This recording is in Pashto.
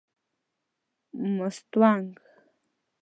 مستونگ